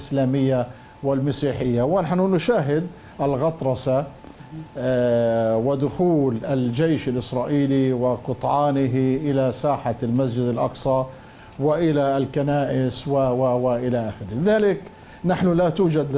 saya mengucapkan bahwa kedulatan kudus akan menjadi kota kata palestinian